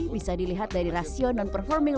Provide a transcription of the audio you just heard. bisa dilihat dari rasio non performing